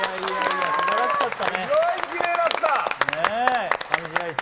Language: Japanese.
すごいきれいだった。